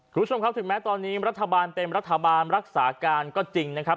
คุณผู้ชมครับถึงแม้ตอนนี้รัฐบาลเต็มรัฐบาลรักษาการก็จริงนะครับ